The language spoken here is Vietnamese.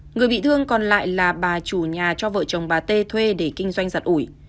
người bị thương còn lại là bà chủ nhà cho vợ chồng bà t thuê để kinh doanh giặt ủi